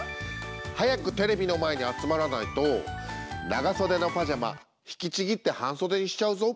早くテレビの前に集まらないと長袖のパジャマ引きちぎって半袖にしちゃうぞ！